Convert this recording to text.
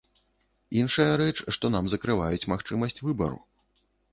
Іншая рэч, што нам закрываюць магчымасць выбару.